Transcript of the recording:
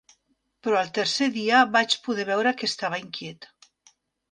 Però al tercer dia vaig poder veure que estava inquiet.